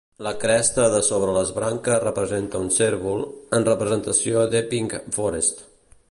La cresta de sobre les branques representa un cérvol, en representació d'Epping Forest.